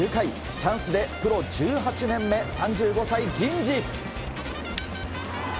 チャンスでプロ１８年目３５歳、銀次。